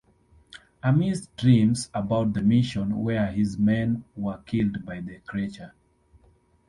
Amis dreams about the mission where his men were killed by the creature.